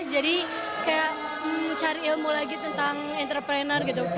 jadi kayak cari ilmu lagi tentang entrepreneur gitu